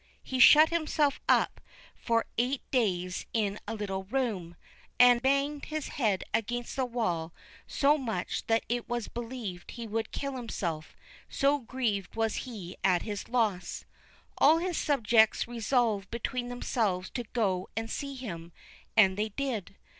He shut himself up for eight days in a little room, and banged his head against the wall so much that it was believed he would kill himself, so grieved was he at his loss. All his subjects resolved between themselves to go and see him, and they did.